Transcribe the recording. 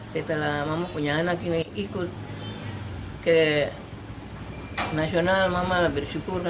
setelah mama punya anak ini ikut ke nasional mama lah bersyukur